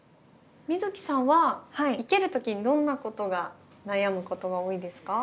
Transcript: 美月さんは生ける時にどんなことが悩むことが多いですか？